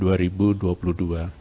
artinya penularan menyebabkan penyebabnya